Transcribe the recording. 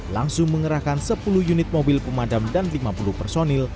langsung mengerahkan sepuluh unit mobil pemadam dan lima puluh personil